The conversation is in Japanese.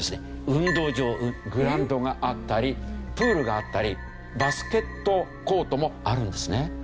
運動場グラウンドがあったりプールがあったりバスケットコートもあるんですね。